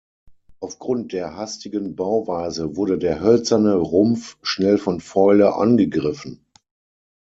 Aufgrund der hastigen Bauweise wurde der hölzerne Rumpf schnell von Fäule angegriffen.